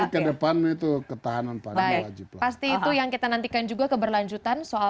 ke depan itu ketahanan paling baik pasti itu yang kita nantikan juga keberlanjutan soal